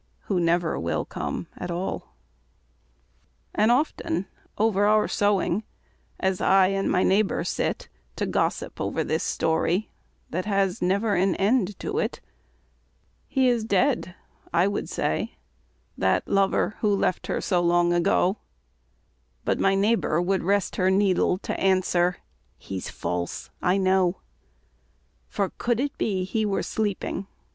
Who never will come at all. And often over our sewing, As I and my neighbour sit To gossip over this story That has never an end to it, "He is dead," I would say, "that lover, Who left her so long ago," But my neighbour would rest her needle To answer, "He's false I know." "For could it be he were sleeping.